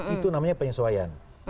itu namanya penyesuaian